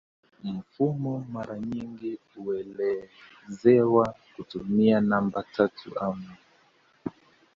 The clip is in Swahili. Mfumo mara nyingi huelezewa kutumia namba tatu au nne